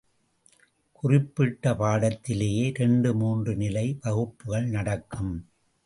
குறிப்பிட்ட பாடத்திலேயே இரண்டு மூன்று நிலை வகுப்புகள் நடக்கும்.